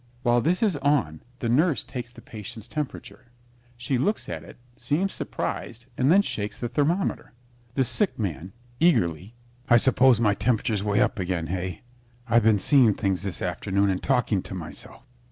While this is on, the Nurse takes the patient's temperature. She looks at it, seems surprised, and then shakes the thermometer. THE SICK MAN (eagerly) I suppose my temperature's way up again, hey? I've been seeing things this afternoon and talking to myself.